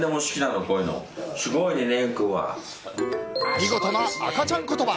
見事な赤ちゃん言葉！